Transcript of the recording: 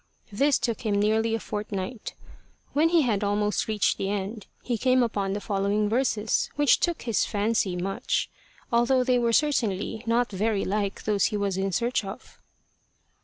This took him nearly a fortnight. When he had almost reached the end, he came upon the following verses, which took his fancy much, although they were certainly not very like those he was in search of.